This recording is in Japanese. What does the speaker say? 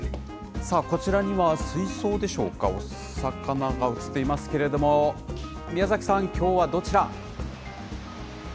こちらには、水槽でしょうか、お魚が映っていますけれども、宮崎さん、きょうはどちら。